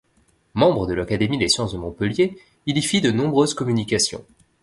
Membre de l'Académie des sciences de Montpellier, il y fit de nombreuses communications.